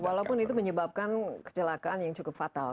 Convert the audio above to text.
walaupun itu menyebabkan kecelakaan yang cukup fatal